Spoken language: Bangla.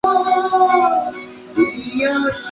অনেকে দাবি করেন যে আত্মার অস্তিত্ব অন্যের অস্তিত্বের প্রমাণ।